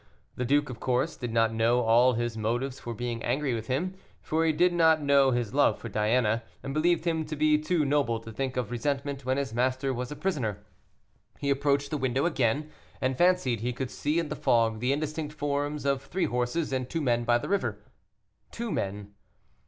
The duke, of course, did not know all his motives for being angry with him, for he did not know his love for Diana, and believed him to be too noble to think of resentment when his master was a prisoner. He approached the window again, and fancied he could see in the fog the indistinct forms of three horses and two men by the river. Two men.